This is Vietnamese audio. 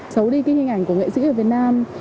xấu đi cái hình ảnh của nghệ sĩ ở việt nam